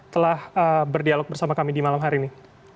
telah berdialog bersama kami di malam hari ini